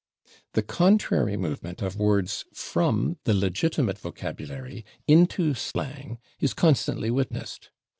The contrary movement of words from the legitimate vocabulary into slang is constantly witnessed.